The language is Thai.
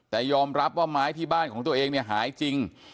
แต่ยอมรับว่าไม้ที่บ้านของตัวเองเนี่ยหายจริง